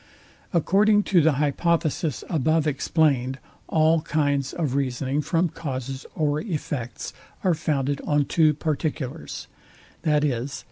According to the hypothesis above explained all kinds of reasoning from causes or effects are founded on two particulars, viz.